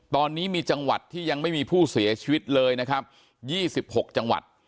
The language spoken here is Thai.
ตอนนี้มีจังหวัดที่ยังไม่มีผู้เสียชีวิตเลยนะครับ๒๖จังหวัด